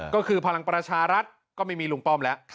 ก็คือพลังประชารัฐก็ไม่มีลุงป้อมแล้ว